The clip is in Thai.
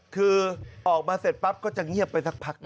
คือออกมาเสร็จปราบก็จะเงียบทักพัก